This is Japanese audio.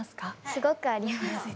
すごくあります。